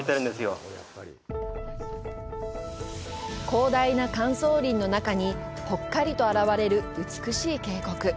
広大な乾燥林の中にぽっかりと現れる美しい渓谷。